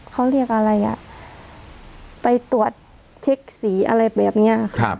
เขาเรียกอะไรอ่ะไปตรวจเช็คสีอะไรแบบนี้